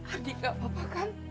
ardi enggak apa apa kan